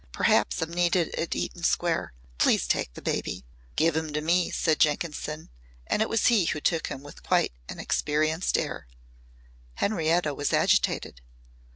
Perhaps I'm needed at Eaton Square. Please take the baby." "Give him to me," said Jenkinson and it was he who took him with quite an experienced air. Henrietta was agitated.